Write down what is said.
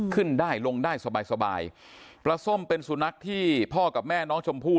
ขึ้นได้ลงได้สบายสบายปลาส้มเป็นสุนัขที่พ่อกับแม่น้องชมพู่